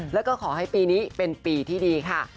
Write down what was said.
แล้วก็ขอให้ปีนี้เป็นปีที่ดีค่ะ